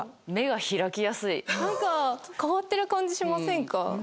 変わってる感じしませんか？